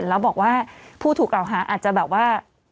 ที่เห็นแล้วบอกว่าพูดถูกหรอกค่ะอาจจะแบบว่า